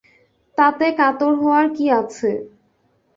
তাতে কাতর হওয়ার কী আছে?